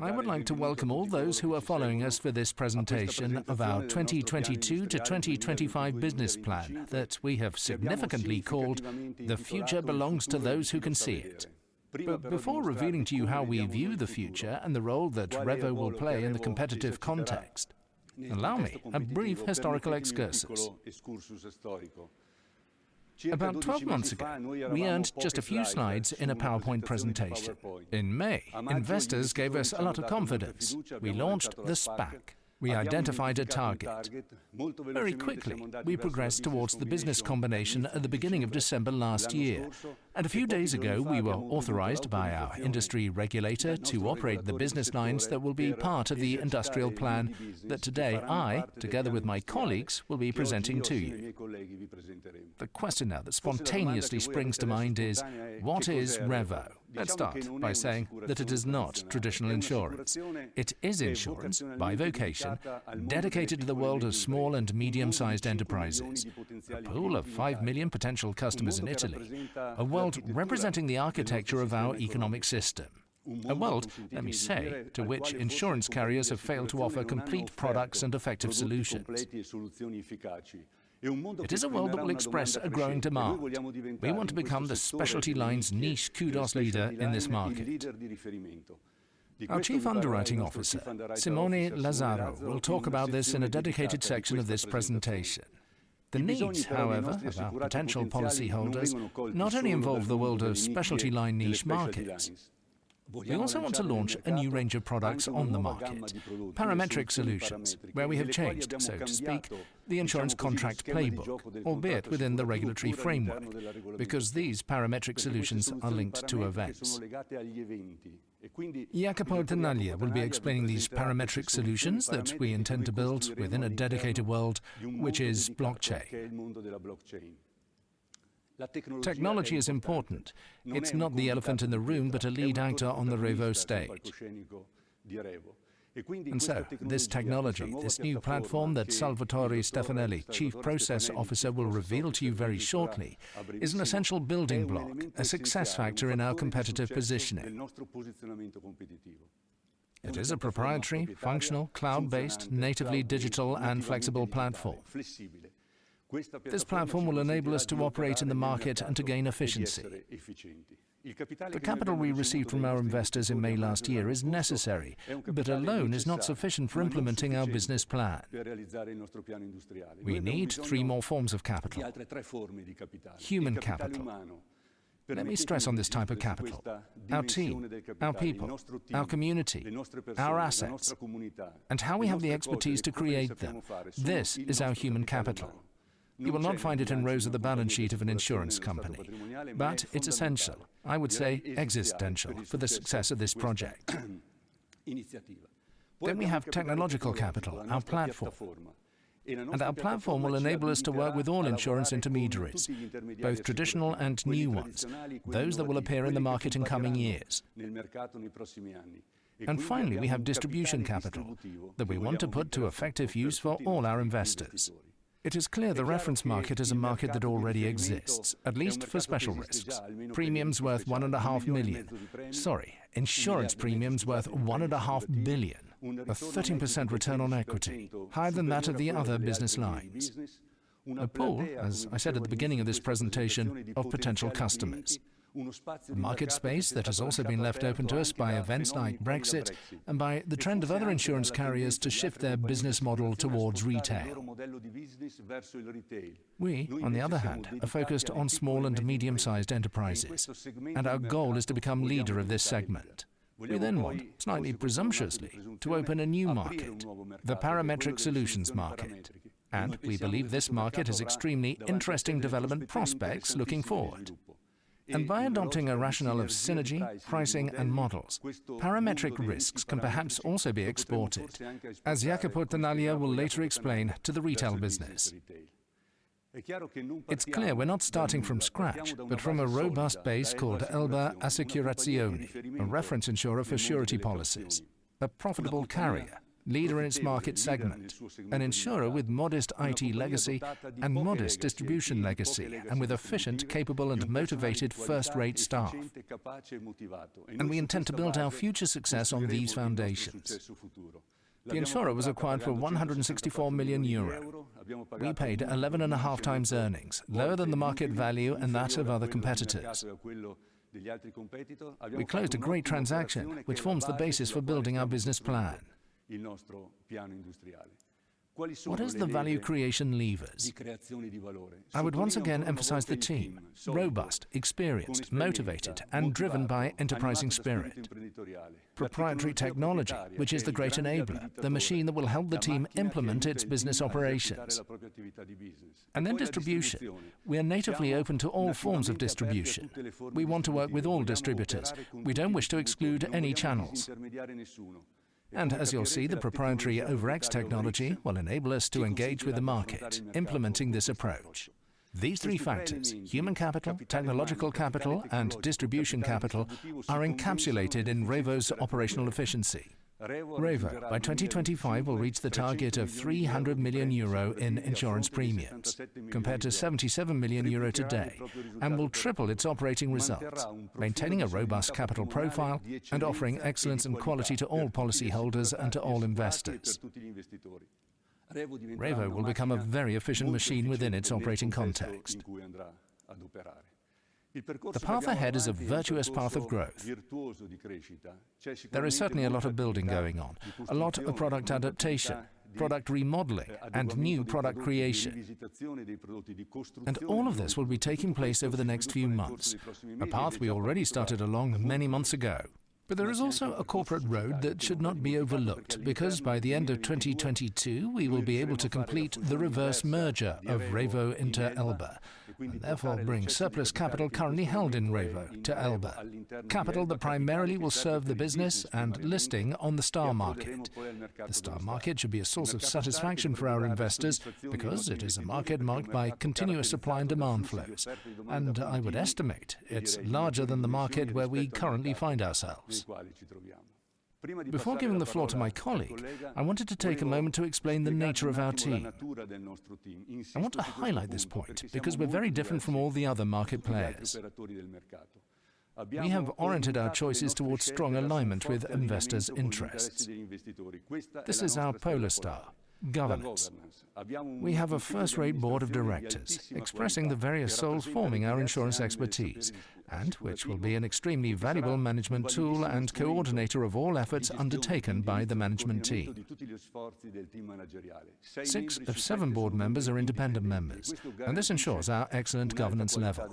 I would like to welcome all those who are following us for this presentation of our 2022 to 2025 business plan that we have significantly called The Future Belongs to Those Who Can See It. Before revealing to you how we view the future and the role that REVO will play in the competitive context, allow me a brief historical excursus. About 12 months ago, we earned just a few slides in a PowerPoint presentation. In May, investors gave us a lot of confidence. We launched the SPAC. We identified a target. Very quickly, we progressed towards the business combination at the beginning of December last year, and a few days ago, we were authorized by our industry regulator to operate the business lines that will be part of the industrial plan that today I, together with my colleagues, will be presenting to you. The question now that spontaneously springs to mind is: What is REVO? Let's start by saying that it is not traditional insurance. It is insurance by vocation, dedicated to the world of small and medium-sized enterprises. A pool of five million potential customers in Italy, a world representing the architecture of our economic system. A world, let me say, to which insurance carriers have failed to offer complete products and effective solutions. It is a world that will express a growing demand. We want to become the specialty lines niche cost leader in this market. Our Chief Underwriting Officer, Simone Lazzaro, will talk about this in a dedicated section of this presentation. The needs, however, of our potential policyholders not only involve the world of specialty line niche markets. We also want to launch a new range of products on the market, parametric solutions, where we have changed, so to speak, the insurance contract playbook, albeit within the regulatory framework, because these parametric solutions are linked to events. Jacopo Tanaglia will be explaining these parametric solutions that we intend to build within a dedicated world, which is blockchain. Technology is important. It's not the elephant in the room, but a lead actor on the REVO stage. This technology, this new platform that Salvatore Stefanelli, Chief Process Officer, will reveal to you very shortly, is an essential building block, a success factor in our competitive positioning. It is a proprietary, functional, cloud-based, natively digital, and flexible platform. This platform will enable us to operate in the market and to gain efficiency. The capital we received from our investors in May last year is necessary, but alone is not sufficient for implementing our business plan. We need three more forms of capital. Human capital. Let me stress on this type of capital. Our team, our people, our community, our assets, and how we have the expertise to create them, this is our human capital. You will not find it in rows of the balance sheet of an insurance company, but it's essential, I would say existential, for the success of this project. We have technological capital, our platform, and our platform will enable us to work with all insurance intermediaries, both traditional and new ones, those that will appear in the market in coming years. We have distribution capital that we want to put to effective use for all our investors. It is clear the reference market is a market that already exists, at least for special risks. Insurance premiums worth 1.5 billion. A 13% return on equity, higher than that of the other business lines. A pool, as I said at the beginning of this presentation, of potential customers. A market space that has also been left open to us by events like Brexit and by the trend of other insurance carriers to shift their business model towards retail. We, on the other hand, are focused on small and medium-sized enterprises, and our goal is to become leader of this segment. We want, slightly presumptuously, to open a new market, the parametric solutions market, and we believe this market has extremely interesting development prospects looking forward. By adopting a rationale of synergy, pricing, and models, parametric risks can perhaps also be exported, as Jacopo Tanaglia will later explain to the retail business. It's clear we're not starting from scratch, but from a robust base called Elba Assicurazioni, a reference insurer for surety policies. A profitable carrier, leader in its market segment. An insurer with modest IT legacy and modest distribution legacy, and with efficient, capable, and motivated first-rate staff. We intend to build our future success on these foundations. The insurer was acquired for 164 million euro. We paid 11.5x earnings, lower than the market value and that of other competitors. We closed a great transaction, which forms the basis for building our business plan. What is the value creation levers? I would once again emphasize the team, robust, experienced, motivated, and driven by enterprising spirit. Proprietary technology, which is the great enabler, the machine that will help the team implement its business operations. Distribution. We are natively open to all forms of distribution. We want to work with all distributors. We don't wish to exclude any channels. As you'll see, the proprietary OVERX technology will enable us to engage with the market implementing this approach. These three factors, human capital, technological capital, and distribution capital, are encapsulated in REVO's operational efficiency. REVO, by 2025, will reach the target of 300 million euro in insurance premiums compared to 77 million euro today and will triple its operating results, maintaining a robust capital profile and offering excellence and quality to all policyholders and to all investors. REVO will become a very efficient machine within its operating context. The path ahead is a virtuous path of growth. There is certainly a lot of building going on, a lot of product adaptation, product remodeling, and new product creation. All of this will be taking place over the next few months, a path we already started along many months ago. There is also a corporate road that should not be overlooked, because by the end of 2022, we will be able to complete the reverse merger of REVO into Elba and therefore bring surplus capital currently held in REVO to Elba, capital that primarily will serve the business and listing on the STAR Market. The STAR Market should be a source of satisfaction for our investors because it is a market marked by continuous supply and demand flows. I would estimate it's larger than the market where we currently find ourselves. Before giving the floor to my colleague, I wanted to take a moment to explain the nature of our team. I want to highlight this point because we're very different from all the other market players. We have oriented our choices towards strong alignment with investors' interests. This is our polar star, governance. We have a first-rate board of directors expressing the various souls forming our insurance expertise and which will be an extremely valuable management tool and coordinator of all efforts undertaken by the management team. Six of seven board members are independent members, and this ensures our excellent governance level.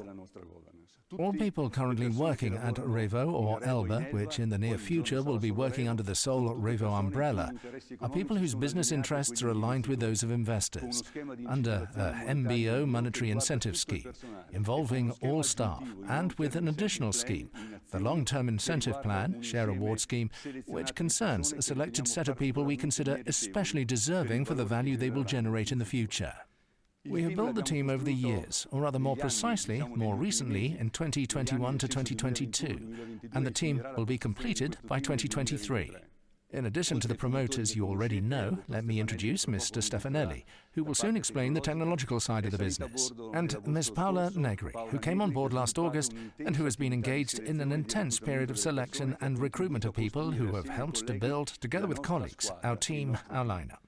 All people currently working at REVO or Elba, which in the near future will be working under the sole REVO umbrella, are people whose business interests are aligned with those of investors under a MBO monetary incentive scheme involving all staff and with an additional scheme, the long-term incentive plan, share award scheme, which concerns a selected set of people we consider especially deserving for the value they will generate in the future. We have built the team over the years, or rather more precisely, more recently in 2021 to 2022, and the team will be completed by 2023. In addition to the promoters you already know, let me introduce Mr. Stefanelli, who will soon explain the technological side of the business, and Ms. Paola Negri, who came on board last August and who has been engaged in an intense period of selection and recruitment of people who have helped to build together with colleagues, our team, our lineup.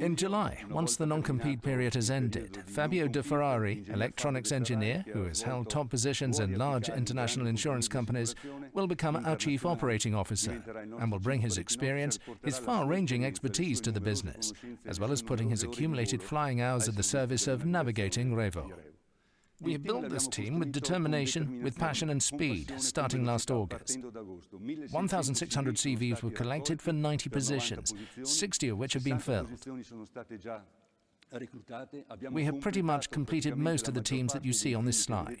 In July, once the non-compete period has ended, Fabio De Ferrari, electronics engineer, who has held top positions in large international insurance companies, will become our Chief Operating Officer and will bring his experience, his far-ranging expertise to the business, as well as putting his accumulated flying hours at the service of navigating REVO. We have built this team with determination, with passion and speed, starting last August. 1,600 CVs were collected for 90 positions, 60 of which have been filled. We have pretty much completed most of the teams that you see on this slide.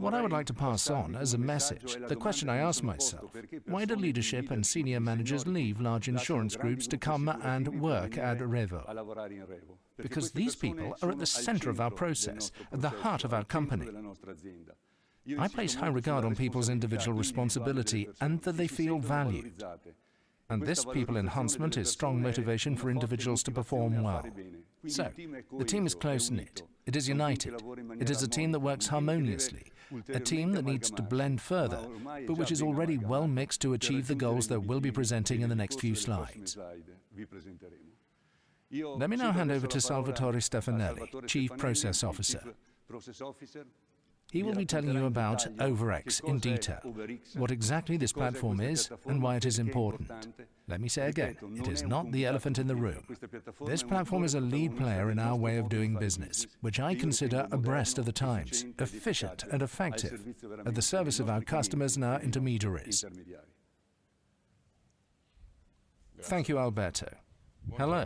What I would like to pass on as a message, the question I ask myself, why do leadership and senior managers leave large insurance groups to come and work at REVO? Because these people are at the center of our process, at the heart of our company. I place high regard on people's individual responsibility and that they feel valued. This people enhancement is strong motivation for individuals to perform well. The team is close-knit, it is united, it is a team that works harmoniously, a team that needs to blend further, but which is already well-mixed to achieve the goals that we'll be presenting in the next few slides. Let me now hand over to Salvatore Stefanelli, Chief Process Officer. He will be telling you about OVERX in detail, what exactly this platform is and why it is important. Let me say again, it is not the elephant in the room. This platform is a lead player in our way of doing business, which I consider abreast of the times, efficient and effective at the service of our customers and our intermediaries. Thank you, Alberto Minali. Hello.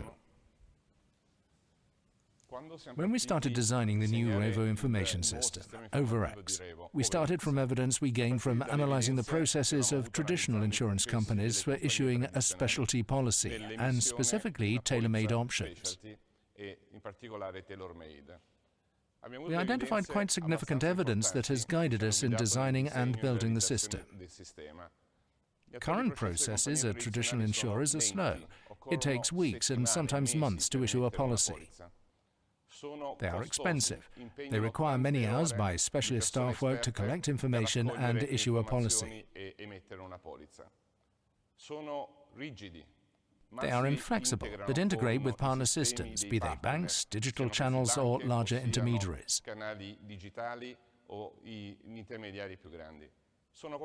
When we started designing the new REVO information system, OVERX, we started from evidence we gained from analyzing the processes of traditional insurance companies for issuing a specialty policy and specifically tailor-made options. We identified quite significant evidence that has guided us in designing and building the system. Current processes at traditional insurers are slow. It takes weeks and sometimes months to issue a policy. They are expensive. They require many hours by specialist staff work to collect information and issue a policy. They are inflexible but integrate with partner systems, be they banks, digital channels or larger intermediaries.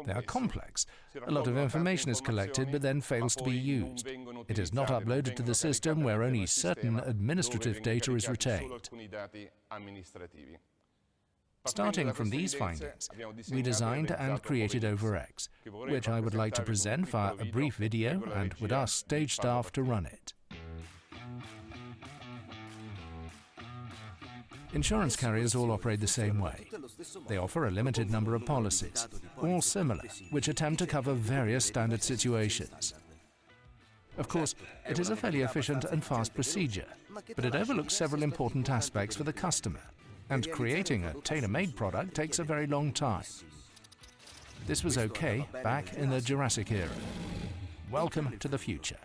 They are complex. A lot of information is collected but then fails to be used. It is not uploaded to the system where only certain administrative data is retained. Starting from these findings, we designed and created OVERX, which I would like to present via a brief video and would ask stage staff to run it. Insurance carriers all operate the same way. They offer a limited number of policies, all similar, which attempt to cover various standard situations. Of course, it is a fairly efficient and fast procedure, but it overlooks several important aspects for the customer, and creating a tailor-made product takes a very long time. This was okay back in the Jurassic era. Welcome to the future.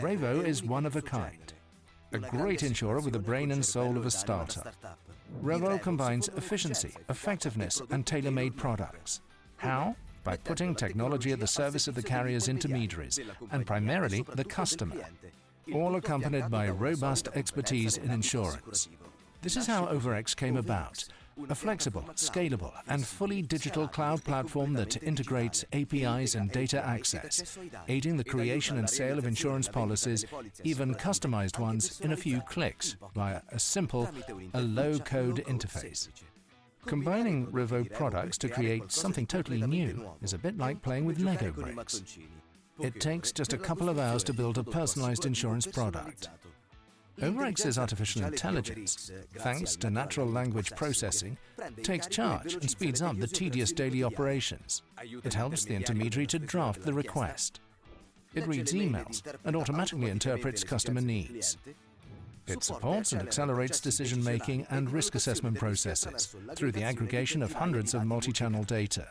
REVO is one of a kind. A great insurer with the brain and soul of a startup. REVO combines efficiency, effectiveness, and tailor-made products. How? By putting technology at the service of the carrier's intermediaries and primarily the customer, all accompanied by robust expertise in insurance. This is how OVERX came about, a flexible, scalable, and fully digital cloud platform that integrates APIs and data access, aiding the creation and sale of insurance policies, even customized ones, in a few clicks via a simple and low-code interface. Combining REVO products to create something totally new is a bit like playing with LEGO bricks. It takes just a couple of hours to build a personalized insurance product. OVERX's artificial intelligence, thanks to natural language processing, takes charge and speeds up the tedious daily operations. It helps the intermediary to draft the request. It reads emails and automatically interprets customer needs. It supports and accelerates decision-making and risk assessment processes through the aggregation of hundreds of multi-channel data.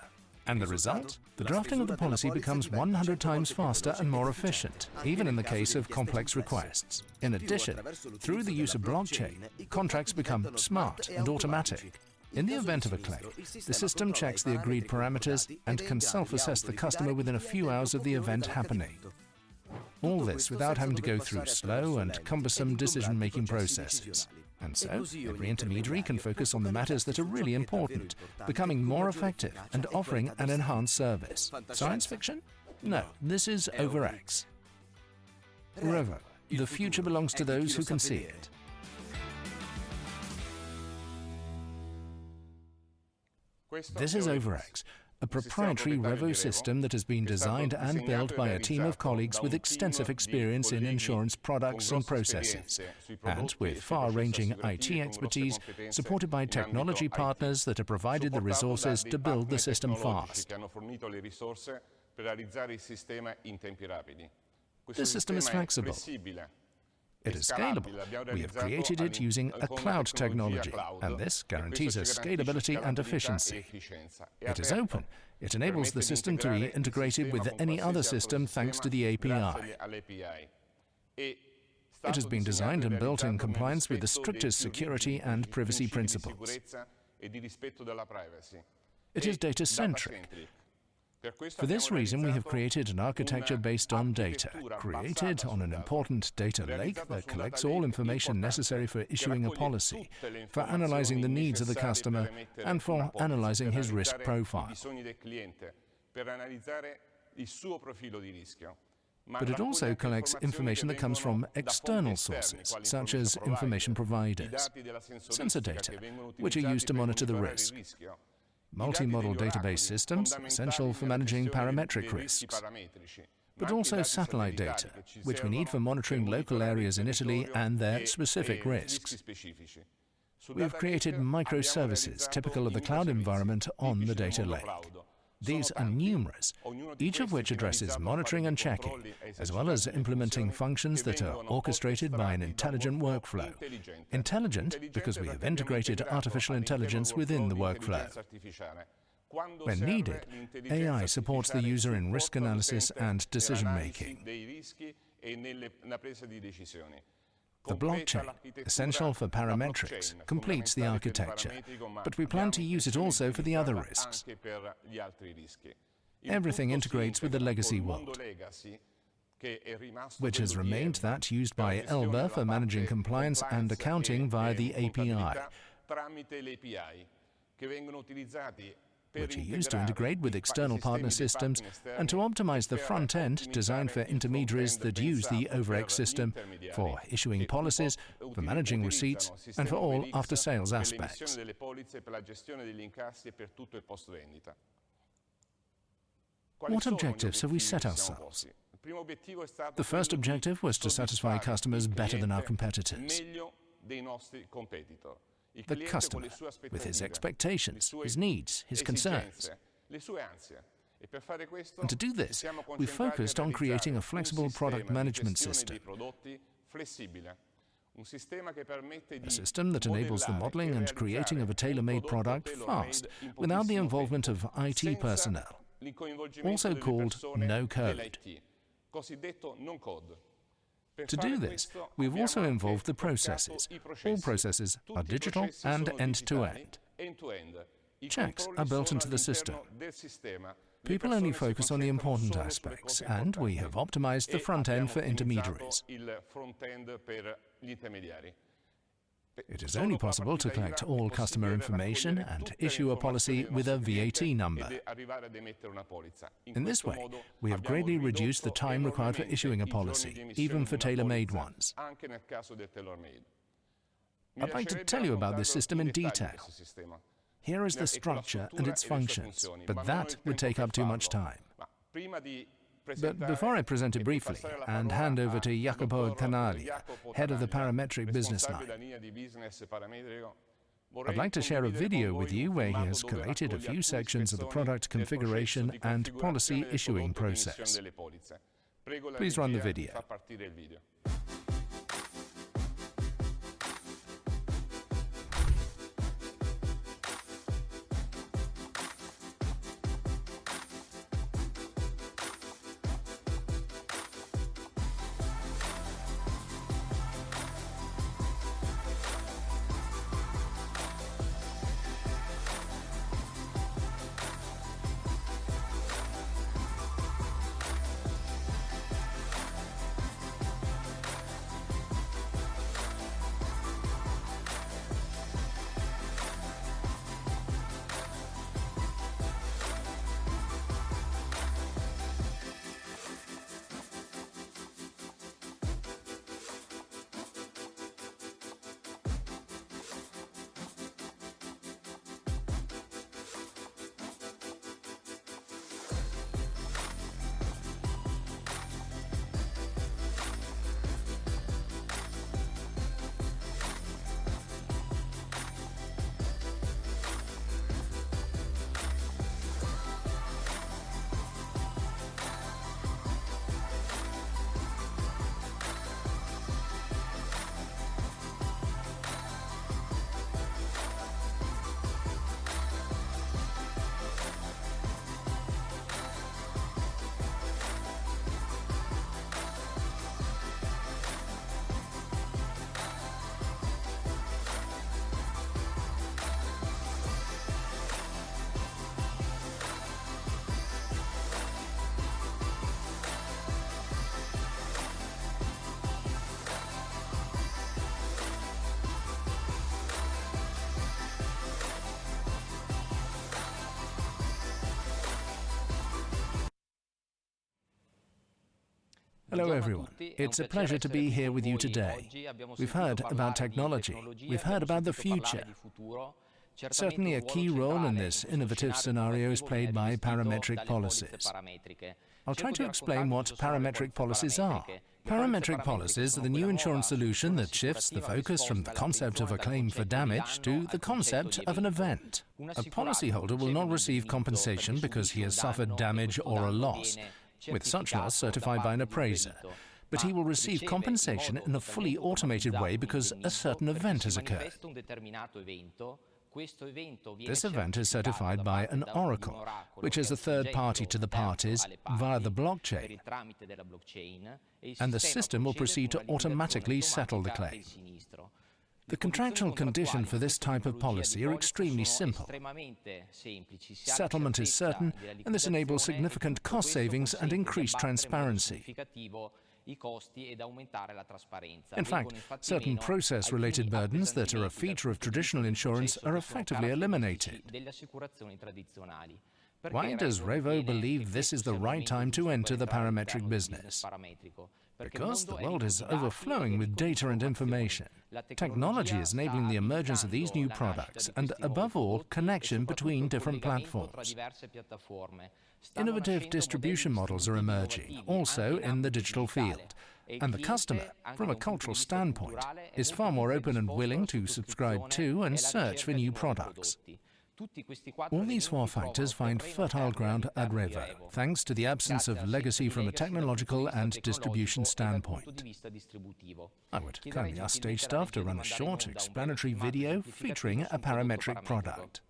The result, the drafting of the policy becomes 100x faster and more efficient, even in the case of complex requests. In addition, through the use of blockchain, contracts become smart and automatic. In the event of a claim, the system checks the agreed parameters and can self-assess the customer within a few hours of the event happening. All this without having to go through slow and cumbersome decision-making processes. Every intermediary can focus on the matters that are really important, becoming more effective and offering an enhanced service. Science fiction? No, this is OVERX. REVO, the future belongs to those who can see it. This is OVERX, a proprietary REVO system that has been designed and built by a team of colleagues with extensive experience in insurance products and processes, and with far-ranging IT expertise, supported by technology partners that have provided the resources to build the system fast. This system is flexible. It is scalable. We have created it using a cloud technology, and this guarantees us scalability and efficiency. It is open. It enables the system to be integrated with any other system, thanks to the API. It has been designed and built in compliance with the strictest security and privacy principles. It is data-centric. For this reason, we have created an architecture based on data, created on an important data lake that collects all information necessary for issuing a policy, for analyzing the needs of the customer, and for analyzing his risk profile. It also collects information that comes from external sources, such as information providers, sensor data, which are used to monitor the risk. Multi-model database systems, essential for managing parametric risks. Also satellite data, which we need for monitoring local areas in Italy and their specific risks. We have created microservices typical of the cloud environment on the data lake. These are numerous, each of which addresses monitoring and checking, as well as implementing functions that are orchestrated by an intelligent workflow. Intelligent, because we have integrated artificial intelligence within the workflow. When needed, AI supports the user in risk analysis and decision-making. The blockchain, essential for parametrics, complements the architecture, but we plan to use it also for the other risks. Everything integrates with the legacy world, which has remained that used by Elba for managing compliance and accounting via the API, which are used to integrate with external partner systems and to optimize the front end designed for intermediaries that use the OVERX system for issuing policies, for managing receipts, and for all after-sales aspects. What objectives have we set ourselves? The first objective was to satisfy customers better than our competitors. The customer with his expectations, his needs, his concerns. To do this, we focused on creating a flexible product management system. A system that enables the modeling and creating of a tailor-made product fast without the involvement of IT personnel, also called no-code. To do this, we have also involved the processes. All processes are digital and end-to-end. Checks are built into the system. People only focus on the important aspects, and we have optimized the front end for intermediaries. It is only possible to collect all customer information and issue a policy with a VAT number. In this way, we have greatly reduced the time required for issuing a policy, even for tailor-made ones. I'd like to tell you about this system in detail. Here is the structure and its functions, but that would take up too much time. Before I present it briefly and hand over to Jacopo Canali, Head of the Parametric Business Line, I'd like to share a video with you where he has collated a few sections of the product configuration and policy issuing process. Please run the video. Hello, everyone. It's a pleasure to be here with you today. We've heard about technology. We've heard about the future. Certainly, a key role in this innovative scenario is played by parametric policies. I'll try to explain what parametric policies are. Parametric policies are the new insurance solution that shifts the focus from the concept of a claim for damage to the concept of an event. A policyholder will not receive compensation because he has suffered damage or a loss, with such loss certified by an appraiser. He will receive compensation in a fully automated way because a certain event has occurred. This event is certified by an oracle, which is a third party to the parties via the blockchain, and the system will proceed to automatically settle the claim. The contractual condition for this type of policy are extremely simple. Settlement is certain, and this enables significant cost savings and increased transparency. In fact, certain process-related burdens that are a feature of traditional insurance are effectively eliminated. Why does REVO believe this is the right time to enter the parametric business? Because the world is overflowing with data and information. Technology is enabling the emergence of these new products and above all, connection between different platforms. Innovative distribution models are emerging, also in the digital field. The customer, from a cultural standpoint, is far more open and willing to subscribe to and search for new products. All these four factors find fertile ground at REVO, thanks to the absence of legacy from a technological and distribution standpoint. I would kindly ask stage staff to run a short explanatory video featuring a parametric product.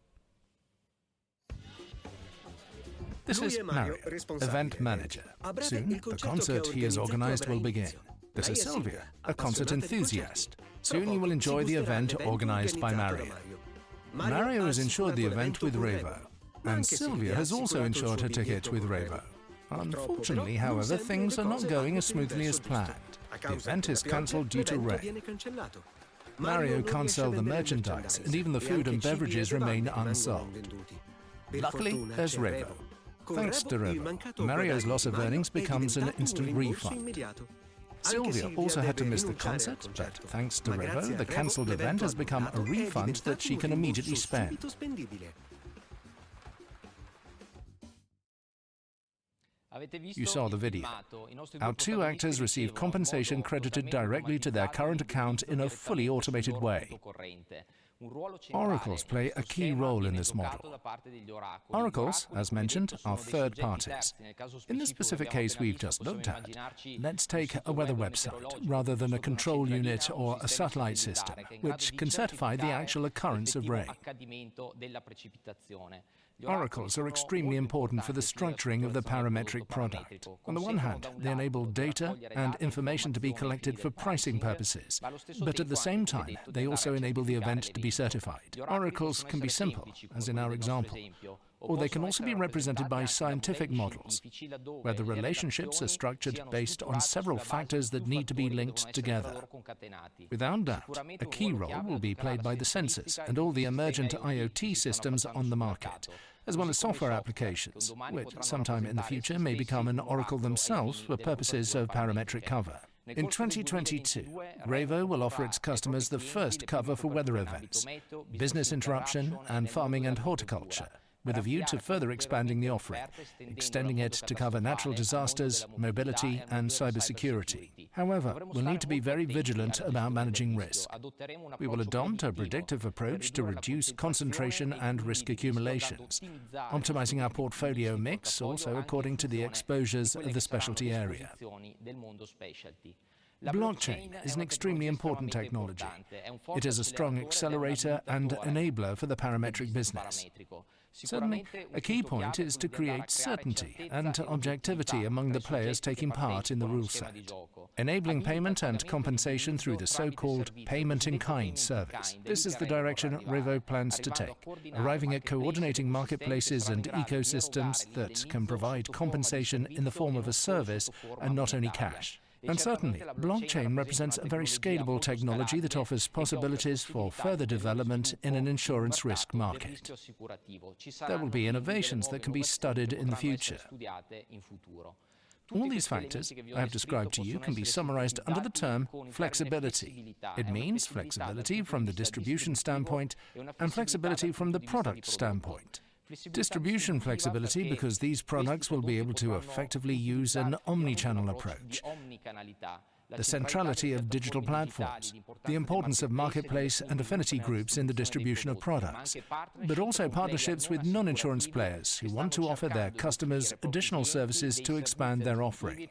This is Mario, event manager. Soon, the concert he has organized will begin. This is Silvia, a concert enthusiast. Soon, you will enjoy the event organized by Mario. Mario has insured the event with REVO, and Silvia has also insured her ticket with REVO. Unfortunately, however, things are not going as smoothly as planned. The event is canceled due to rain. Mario can't sell the merchandise, and even the food and beverages remain unsold. Luckily, there's REVO. Thanks to REVO, Mario's loss of earnings becomes an instant refund. Silvia also had to miss the concert, but thanks to REVO, the canceled event has become a refund that she can immediately spend. You saw the video. Our two actors received compensation credited directly to their current account in a fully automated way. Oracles play a key role in this model. Oracles, as mentioned, are third parties. In this specific case we've just looked at, let's take a weather website rather than a control unit or a satellite system, which can certify the actual occurrence of rain. Oracles are extremely important for the structuring of the parametric product. On the one hand, they enable data and information to be collected for pricing purposes, but at the same time, they also enable the event to be certified. Oracles can be simple, as in our example, or they can also be represented by scientific models, where the relationships are structured based on several factors that need to be linked together. Without doubt, a key role will be played by the sensors and all the emergent IoT systems on the market, as well as software applications, which sometime in the future may become an oracle themselves for purposes of parametric cover. In 2022, REVO will offer its customers the first cover for weather events, business interruption, and farming and horticulture, with a view to further expanding the offering, extending it to cover natural disasters, mobility, and cybersecurity. However, we'll need to be very vigilant about managing risk. We will adopt a predictive approach to reduce concentration and risk accumulations, optimizing our portfolio mix also according to the exposures of the specialty area. The blockchain is an extremely important technology. It is a strong accelerator and enabler for the parametric business. Certainly, a key point is to create certainty and objectivity among the players taking part in the rule set, enabling payment and compensation through the so-called payment in kind service. This is the direction REVO plans to take, arriving at coordinating marketplaces and ecosystems that can provide compensation in the form of a service and not only cash. Certainly, blockchain represents a very scalable technology that offers possibilities for further development in an insurance risk market. There will be innovations that can be studied in the future. All these factors I have described to you can be summarized under the term flexibility. It means flexibility from the distribution standpoint and flexibility from the product standpoint. Distribution flexibility because these products will be able to effectively use an omni-channel approach. The centrality of digital platforms, the importance of marketplace and affinity groups in the distribution of products, but also partnerships with non-insurance players who want to offer their customers additional services to expand their offering.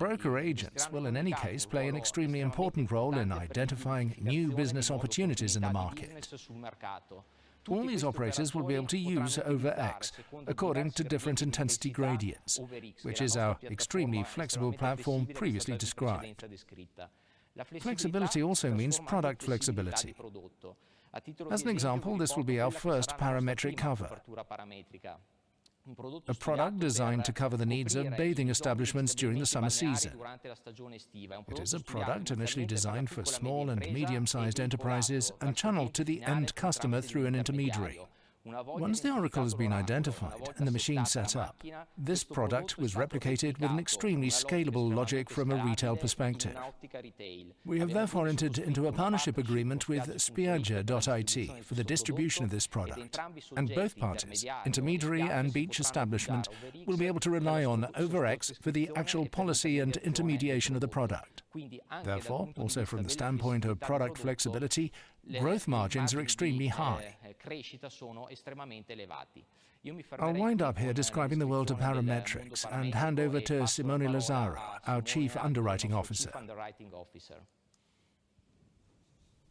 Broker agents will, in any case, play an extremely important role in identifying new business opportunities in the market. All these operators will be able to use OVERX according to different intensity gradients, which is our extremely flexible platform previously described. Flexibility also means product flexibility. As an example, this will be our first parametric cover, a product designed to cover the needs of bathing establishments during the summer season. It is a product initially designed for small and medium-sized enterprises and channeled to the end customer through an intermediary. Once the oracle has been identified and the machine set up, this product was replicated with an extremely scalable logic from a retail perspective. We have therefore entered into a partnership agreement with Spiagge.it for the distribution of this product. Both parties, intermediary and beach establishment, will be able to rely on OVERX for the actual policy and intermediation of the product. Therefore, also from the standpoint of product flexibility, growth margins are extremely high. I'll wind up here describing the world of parametrics and hand over to Simone Lazzaro, our Chief Underwriting Officer.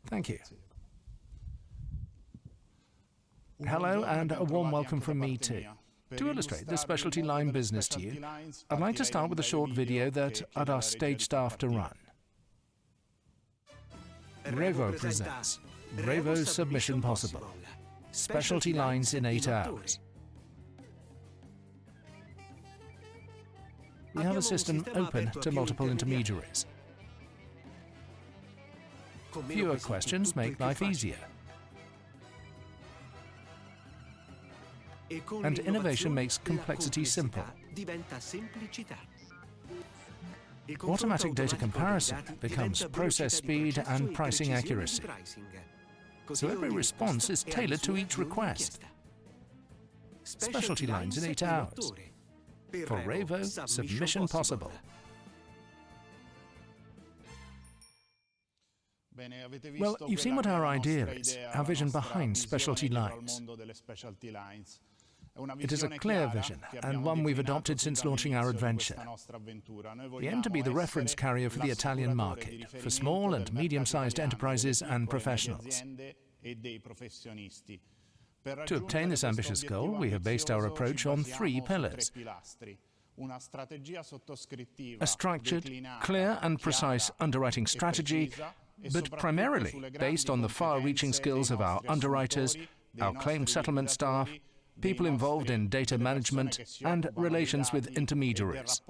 Thank you. Hello, and a warm welcome from me too. To illustrate the specialty line business to you, I'd like to start with a short video that I'd ask stage staff to run. REVO presents Revo Submission Possible: Specialty Lines in Eight Hours. We have a system open to multiple intermediaries. Fewer questions make life easier. Innovation makes complexity simple. Automatic data comparison becomes process speed and pricing accuracy, so every response is tailored to each request. Specialty lines in eight hours. For REVO, submission possible. Well, you've seen what our idea is, our vision behind specialty lines. It is a clear vision and one we've adopted since launching our adventure. We aim to be the reference carrier for the Italian market for small and medium-sized enterprises and professionals. To obtain this ambitious goal, we have based our approach on three pillars. A structured, clear, and precise underwriting strategy, but primarily based on the far-reaching skills of our underwriters, our claim settlement staff, people involved in data management, and relations with intermediaries.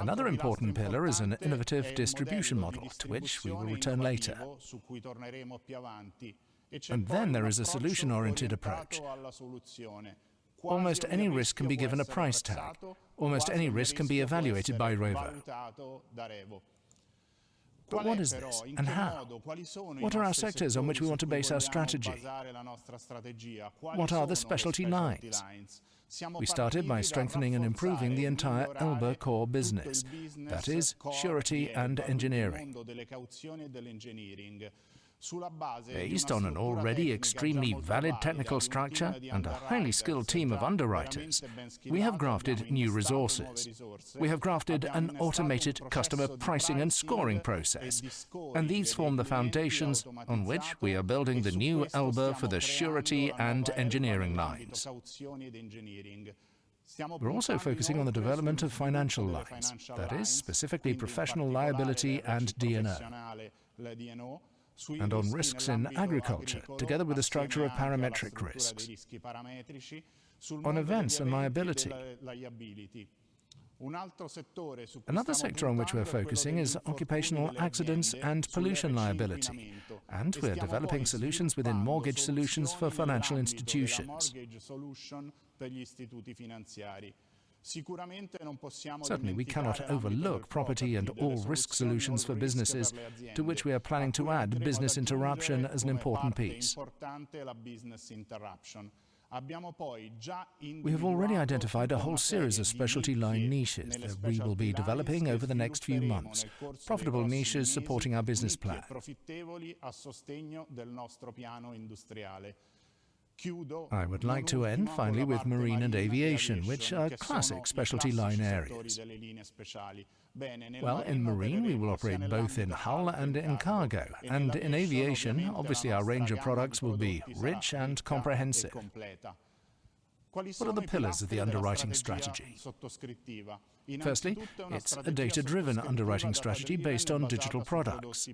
Another important pillar is an innovative distribution model to which we will return later. There is a solution-oriented approach. Almost any risk can be given a price tag. Almost any risk can be evaluated by REVO. What is this and how? What are our sectors on which we want to base our strategy? What are the specialty lines? We started by strengthening and improving the entire Elba core business, that is surety and engineering. Based on an already extremely valid technical structure and a highly skilled team of underwriters, we have grafted new resources. We have grafted an automated customer pricing and scoring process, and these form the foundations on which we are building the new Elba for the surety and engineering lines. We're also focusing on the development of financial lines, that is specifically professional liability and D&O, and on risks in agriculture, together with a structure of parametric risks on events and liability. Another sector on which we're focusing is occupational accidents and pollution liability, and we are developing solutions within mortgage solutions for financial institutions. Certainly, we cannot overlook property and all risk solutions for businesses to which we are planning to add business interruption as an important piece. We have already identified a whole series of specialty line niches that we will be developing over the next few months, profitable niches supporting our business plan. I would like to end finally with marine and aviation, which are classic specialty line areas. Well, in marine, we will operate both in hull and in cargo, and in aviation, obviously, our range of products will be rich and comprehensive. What are the pillars of the underwriting strategy? Firstly, it's a data-driven underwriting strategy based on digital products.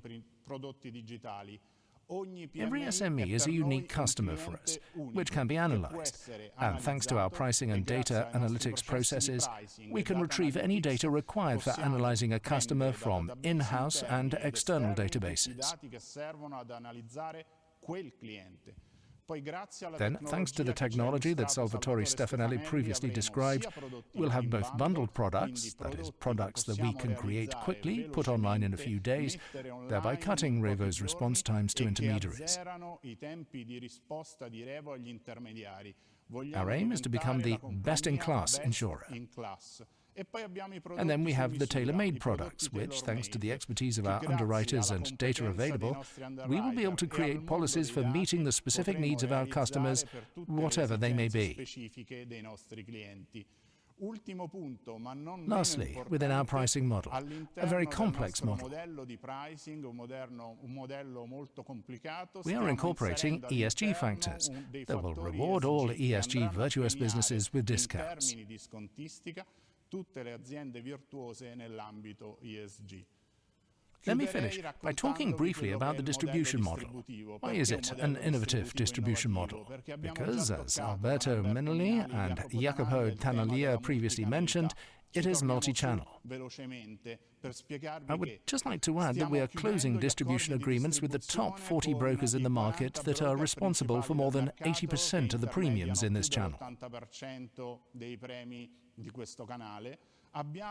Every SME is a unique customer for us, which can be analyzed, and thanks to our pricing and data analytics processes, we can retrieve any data required for analyzing a customer from in-house and external databases. Thanks to the technology that Salvatore Stefanelli previously described, we'll have both bundled products, that is products that we can create quickly, put online in a few days, thereby cutting REVO's response times to intermediaries. Our aim is to become the best-in-class insurer. We have the tailor-made products, which, thanks to the expertise of our underwriters and data available, we will be able to create policies for meeting the specific needs of our customers, whatever they may be. Lastly, within our pricing model, a very complex model, we are incorporating ESG factors that will reward all ESG virtuous businesses with discounts. Let me finish by talking briefly about the distribution model. Why is it an innovative distribution model? Because as Alberto Minali and Jacopo Tanaglia previously mentioned, it is multi-channel. I would just like to add that we are closing distribution agreements with the top 40 brokers in the market that are responsible for more than 80% of the premiums in this channel.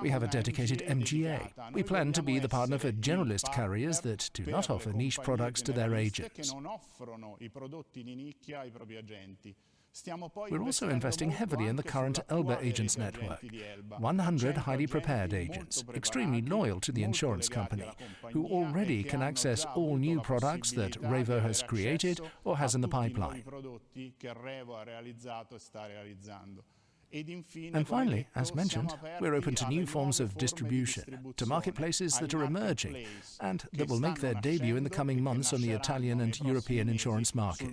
We have a dedicated MGA. We plan to be the partner for generalist carriers that do not offer niche products to their agents. We're also investing heavily in the current Elba agents network. 100 highly prepared agents, extremely loyal to the insurance company, who already can access all new products that REVO has created or has in the pipeline. Finally, as mentioned, we're open to new forms of distribution, to marketplaces that are emerging and that will make their debut in the coming months on the Italian and European insurance market.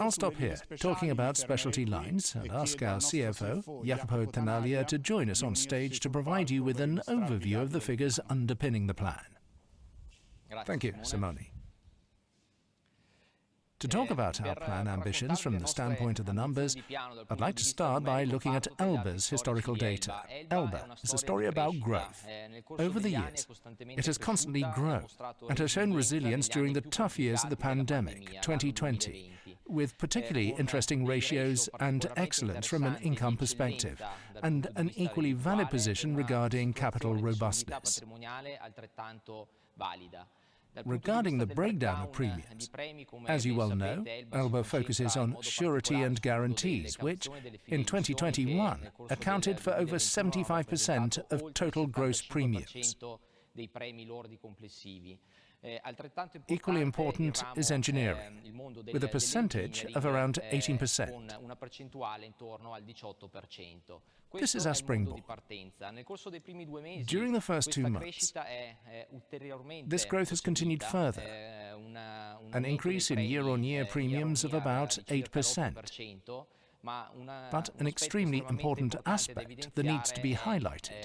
I'll stop here talking about specialty lines and ask our CFO, Jacopo Tanaglia, to join us on stage to provide you with an overview of the figures underpinning the plan. Thank you, Simone. To talk about our plan ambitions from the standpoint of the numbers, I'd like to start by looking at Elba's historical data. Elba is a story about growth. Over the years, it has constantly grown and has shown resilience during the tough years of the pandemic, 2020, with particularly interesting ratios and excellence from an income perspective, and an equally valid position regarding capital robustness. Regarding the breakdown of premiums, as you well know, Elba focuses on surety and guarantees, which in 2021 accounted for over 75% of total gross premiums. Equally important is engineering, with a percentage of around 18%. This is our springboard. During the first two months, this growth has continued further, an increase in year-on-year premiums of about 8%. An extremely important aspect that needs to be highlighted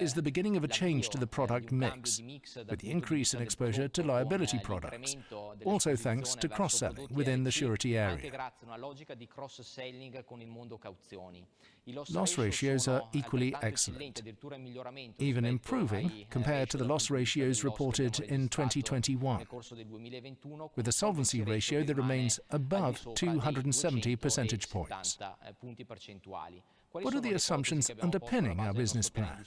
is the beginning of a change to the product mix, with the increase in exposure to liability products, also thanks to cross-selling within the surety area. Loss ratios are equally excellent, even improving compared to the loss ratios reported in 2021, with a solvency ratio that remains above 270 percentage points. What are the assumptions underpinning our business plan?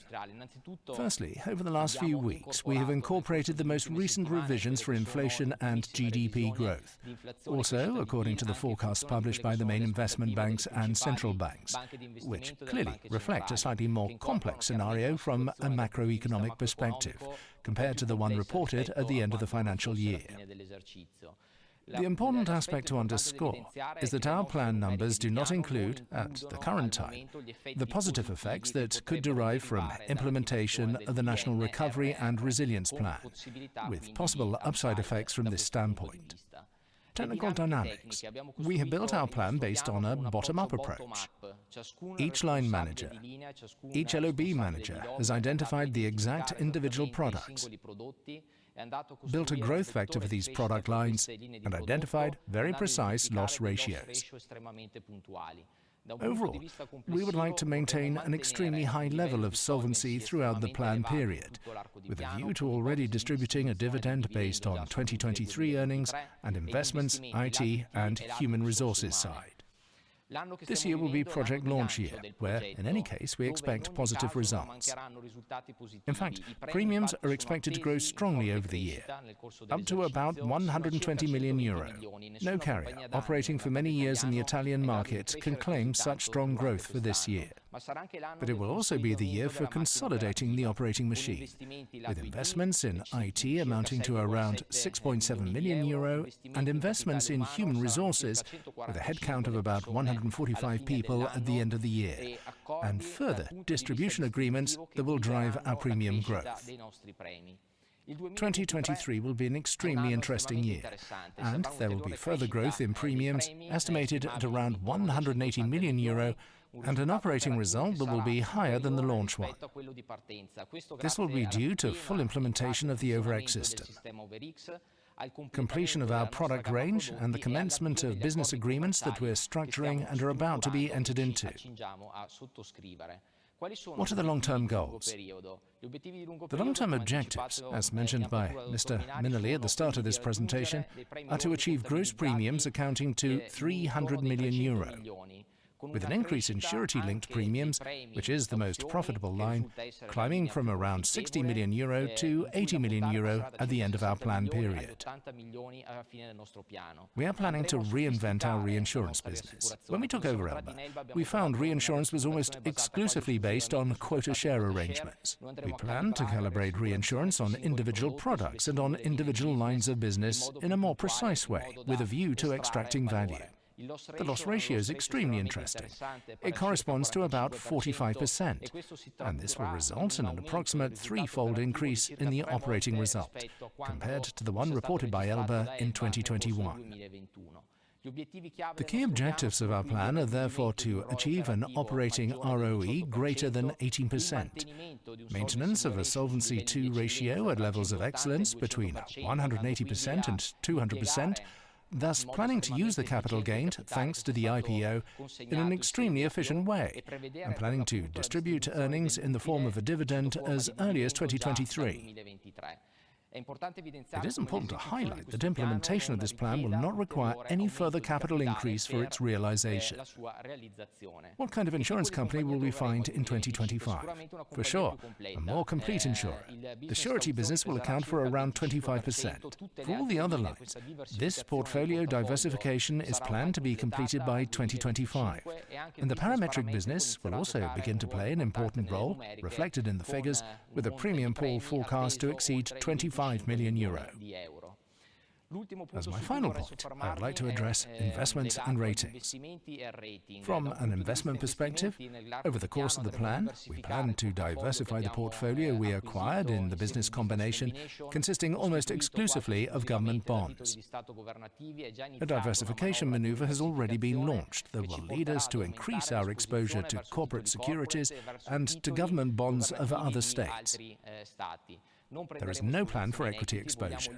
Firstly, over the last few weeks, we have incorporated the most recent revisions for inflation and GDP growth. Also, according to the forecast published by the main investment banks and central banks, which clearly reflect a slightly more complex scenario from a macroeconomic perspective compared to the one reported at the end of the financial year. The important aspect to underscore is that our plan numbers do not include, at the current time, the positive effects that could derive from implementation of the National Recovery and Resilience Plan, with possible upside effects from this standpoint. Technical dynamics. We have built our plan based on a bottom-up approach. Each line manager, each LOB manager, has identified the exact individual products, built a growth factor for these product lines, and identified very precise loss ratios. Overall, we would like to maintain an extremely high level of solvency throughout the plan period, with a view to already distributing a dividend based on 2023 earnings and investments, IT, and human resources side. This year will be project launch year, where in any case we expect positive results. In fact, premiums are expected to grow strongly over the year, up to about 120 million euro. No carrier operating for many years in the Italian market can claim such strong growth for this year. It will also be the year for consolidating the operating machine, with investments in IT amounting to around 6.7 million euro, and investments in human resources with a headcount of about 145 people at the end of the year, and further distribution agreements that will drive our premium growth. 2023 will be an extremely interesting year, and there will be further growth in premiums estimated at around 180 million euro, and an operating result that will be higher than the launch one. This will be due to full implementation of the OVERX system, completion of our product range, and the commencement of business agreements that we're structuring and are about to be entered into. What are the long-term goals? The long-term objectives, as mentioned by Mr. Minali at the start of this presentation, are to achieve gross premiums accounting to 300 million euro, with an increase in surety linked premiums, which is the most profitable line, climbing from around 60 million euro to 80 million euro at the end of our plan period. We are planning to reinvent our reinsurance business. When we took over Elba, we found reinsurance was almost exclusively based on quota share arrangements. We plan to calibrate reinsurance on individual products and on individual lines of business in a more precise way with a view to extracting value. The loss ratio is extremely interesting. It corresponds to about 45%, and this will result in an approximate threefold increase in the operating result compared to the one reported by Elba in 2021. The key objectives of our plan are therefore to achieve an operating ROE greater than 18%, maintenance of a Solvency II ratio at levels of excellence between 180% and 200%, thus planning to use the capital gained thanks to the IPO in an extremely efficient way, and planning to distribute earnings in the form of a dividend as early as 2023. It is important to highlight that implementation of this plan will not require any further capital increase for its realization. What kind of insurance company will we find in 2025? For sure, a more complete insurer. The surety business will account for around 25%. For all the other lines, this portfolio diversification is planned to be completed by 2025, and the parametric business will also begin to play an important role reflected in the figures with a premium pool forecast to exceed 25 million euro. As my final point, I would like to address investments and ratings. From an investment perspective, over the course of the plan, we plan to diversify the portfolio we acquired in the business combination consisting almost exclusively of government bonds. A diversification maneuver has already been launched that will lead us to increase our exposure to corporate securities and to government bonds of other states. There is no plan for equity exposure.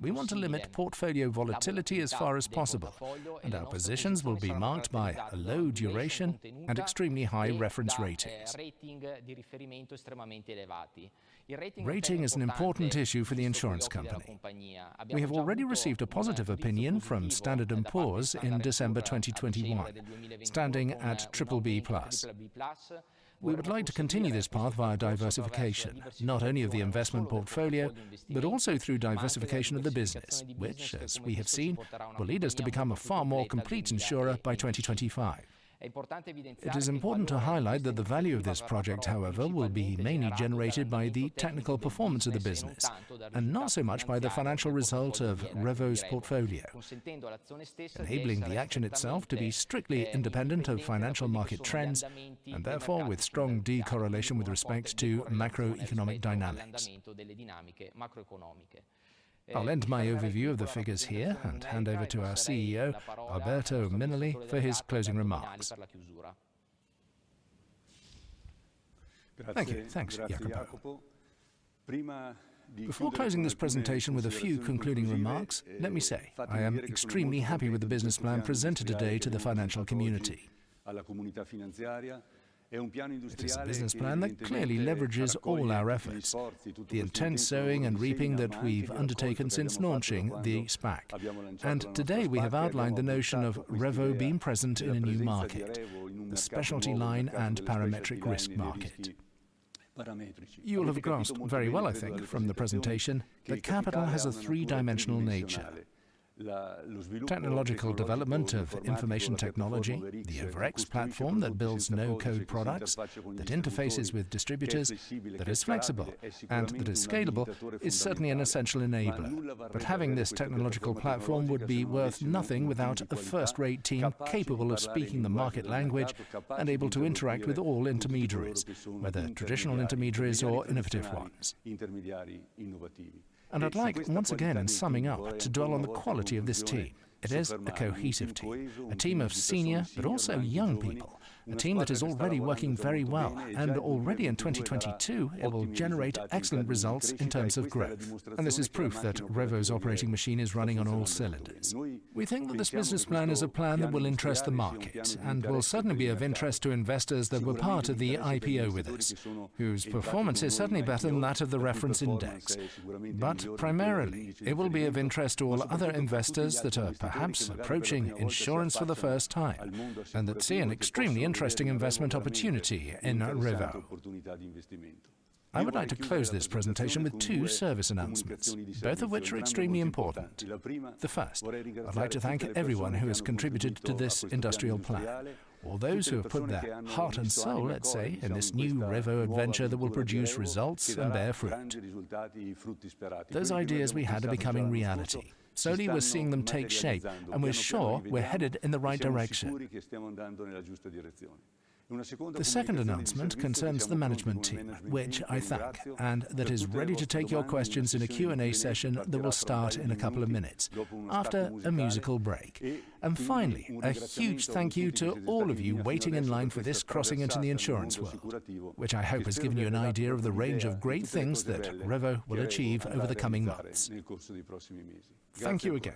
We want to limit portfolio volatility as far as possible, and our positions will be marked by a low duration and extremely high reference ratings. Rating is an important issue for the insurance company. We have already received a positive opinion from Standard & Poor's in December 2021, standing at BBB+. We would like to continue this path via diversification, not only of the investment portfolio, but also through diversification of the business, which, as we have seen, will lead us to become a far more complete insurer by 2025. It is important to highlight that the value of this project, however, will be mainly generated by the technical performance of the business and not so much by the financial result of REVO's portfolio, enabling the action itself to be strictly independent of financial market trends and therefore with strong decorrelation with respect to macroeconomic dynamics. I'll end my overview of the figures here and hand over to our CEO, Alberto Minali, for his closing remarks. Thank you. Thanks, Jacopo. Before closing this presentation with a few concluding remarks, let me say I am extremely happy with the business plan presented today to the financial community. It is a business plan that clearly leverages all our efforts, the intense sowing and reaping that we've undertaken since launching the SPAC. Today, we have outlined the notion of REVO being present in a new market, the specialty line and parametric risk market. You will have grasped very well, I think, from the presentation that capital has a three-dimensional nature. Technological development of information technology, the OVERX platform that builds no-code products, that interfaces with distributors, that is flexible, and that is scalable is certainly an essential enabler. Having this technological platform would be worth nothing without a first-rate team capable of speaking the market language and able to interact with all intermediaries, whether traditional intermediaries or innovative ones. I'd like, once again in summing up, to dwell on the quality of this team. It is a cohesive team, a team of senior but also young people, a team that is already working very well, and already in 2022 it will generate excellent results in terms of growth. This is proof that REVO's operating machine is running on all cylinders. We think that this business plan is a plan that will interest the market and will certainly be of interest to investors that were part of the IPO with us, whose performance is certainly better than that of the reference index. Primarily, it will be of interest to all other investors that are perhaps approaching insurance for the first time and that see an extremely interesting investment opportunity in REVO. I would like to close this presentation with two service announcements, both of which are extremely important. The first, I'd like to thank everyone who has contributed to this industrial plan, all those who have put their heart and soul, let's say, in this new REVO adventure that will produce results and bear fruit. Those ideas we had are becoming reality. Slowly, we're seeing them take shape, and we're sure we're headed in the right direction. The second announcement concerns the management team, which I thank, and that is ready to take your questions in a Q&A session that will start in a couple of minutes after a musical break. Finally, a huge thank you to all of you waiting in line for this crossing into the insurance world, which I hope has given you an idea of the range of great things that REVO will achieve over the coming months. Thank you again.